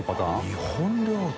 △日本料亭。